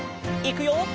いくよ！